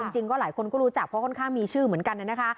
จริงก็หลายคนก็รู้จักเพราะค่อนข้างมีชื่อเหมือนกันนะคะ